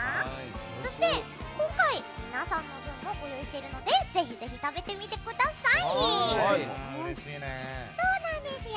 そして今回皆さんの分もご用意してるのでぜひぜひ食べてみてください！